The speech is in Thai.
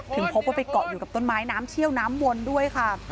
พบว่าไปเกาะอยู่กับต้นไม้น้ำเชี่ยวน้ำวนด้วยค่ะ